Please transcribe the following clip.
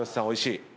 おいしい！